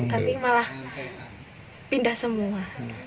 tapi malah pindah semua